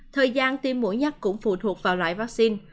thời gian tiêm mũi nhắc cũng phụ thuộc vào loại vaccine